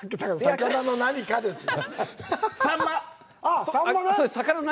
魚の何かですよ。